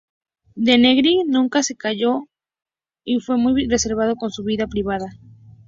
Denegri nunca se casó y fue muy reservado con su vida privada.